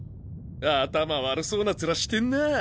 頭悪そうな面してんなぁ。